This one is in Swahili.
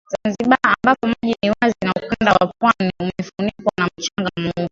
Zanzibar ambapo maji ni wazi na ukanda wa pwani umefunikwa na mchanga mweupe